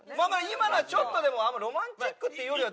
今のはちょっとでもあんまロマンチックっていうよりは。